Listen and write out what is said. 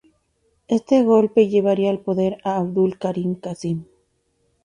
Éste golpe llevaría al poder a Abdul Karim Qasim.